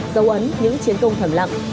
giấu ấn những chiến công thẩm lặng